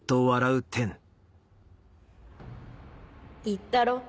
言ったろ？